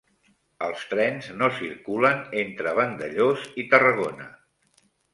Els trens no circulen entre Vandellòs i Tarragona